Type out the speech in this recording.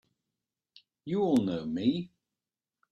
You all know me!